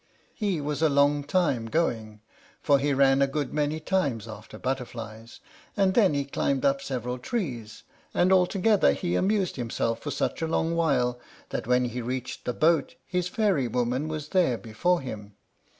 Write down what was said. He was a long time going, for he ran a good many times after butterflies, and then he climbed up several trees; and altogether he amused himself for such a long while that when he reached the boat his fairy woman was there before him.